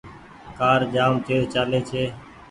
ڪآر جآم تيز چآلي ڇي۔